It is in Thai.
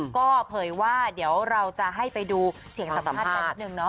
ก็เผยว่าเดี๋ยวเราจะให้ไปดูเสียงสัมภาษณ์กันนิดนึงเนาะ